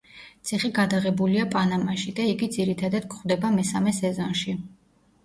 ციხე გადაღებულია პანამაში და იგი ძირითადად გვხვდება მესამე სეზონში.